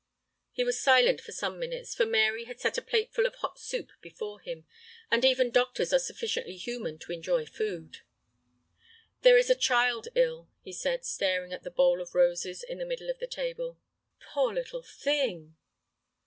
He was silent for some minutes, for Mary had set a plateful of hot soup before him, and even doctors are sufficiently human to enjoy food. "There is a child ill," he said, staring at the bowl of roses in the middle of the table. "Poor little thing!"